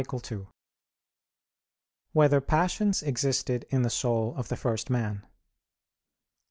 2] Whether Passions Existed in the Soul of the First Man?